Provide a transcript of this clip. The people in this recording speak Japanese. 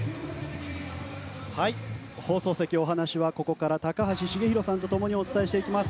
放送席、お話はここから高橋繁浩さんと共にお伝えしていきます。